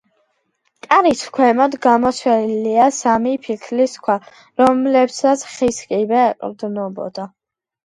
კარის ქვემოთ გამოშვერილია სამი ფიქლის ქვა, რომლებსაც ხის კიბე ეყრდნობოდა.